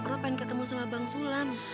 roh pengen ketemu sama bang sulam